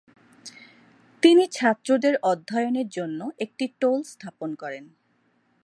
তিনি ছাত্রদের অধ্যয়নের জন্য একটি টোল স্থাপন করেন।